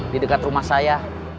di dekat rumah saya